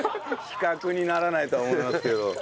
比較にならないと思いますけど。